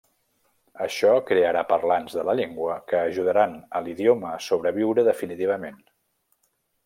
Això crearà parlants de la llengua que ajudaran a l'idioma sobreviure definitivament.